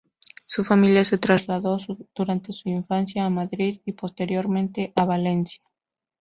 Su familia se trasladó durante su infancia a Madrid y posteriormente a Valencia.